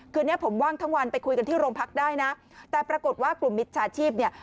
เนี้ยผมว่างทั้งวันไปคุยกันที่โรงพักได้นะแต่ปรากฏว่ากลุ่มมิจฉาชีพเนี่ย